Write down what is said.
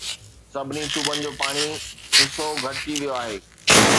سڀني صوبن جو پاڻي حصو گهٽجي ويو آهي